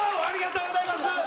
ありがとうございます。